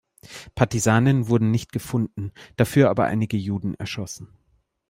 Partisanen wurden nicht gefunden, dafür aber einige Juden erschossen.